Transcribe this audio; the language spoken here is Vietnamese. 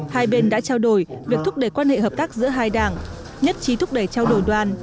hai bên đã trao đổi việc thúc đẩy quan hệ hợp tác giữa hai đảng nhất trí thúc đẩy trao đổi đoàn